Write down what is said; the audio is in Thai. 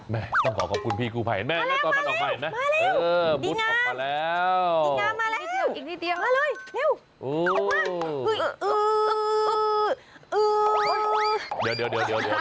แม่ต้องขอบคุณพี่กุภัยนะตอนมันออกมาเห็นไหม